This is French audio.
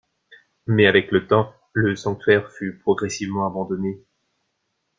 Mais avec le temps le sanctuaire fut progressivement abandonné.